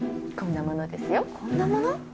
こんなものですよこんなもの？